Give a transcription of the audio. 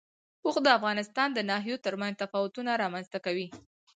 اوښ د افغانستان د ناحیو ترمنځ تفاوتونه رامنځ ته کوي.